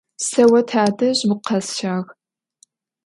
Se vo tadej vukhesşağ.